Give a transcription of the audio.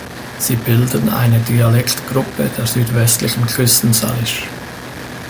Sie bilden eine Dialektgruppe der südwestlichen Küsten-Salish.